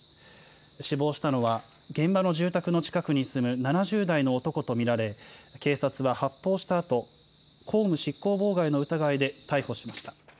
死亡したのは、現場の住宅の近くに住む７０代の男と見られ、警察は発砲したあと、公務執行妨害の疑いで逮捕しました。